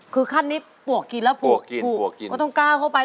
คือขั้นนี้ปวกกินแล้วปลวกกินปวกกินก็ต้องก้าวเข้าไป